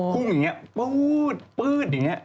พุ่งอย่างนี้ปื๊ดอย่างนี้